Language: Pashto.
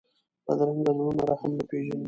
بدرنګه زړونه رحم نه پېژني